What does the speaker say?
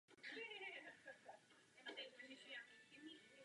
Zatřetí, jedná se o ochranu ledního medvěda.